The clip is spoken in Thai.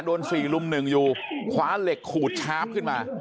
โดนสี่รุ่มหนึ่งอยู่ขวาเหล็กขูดชาร์ฟขึ้นมา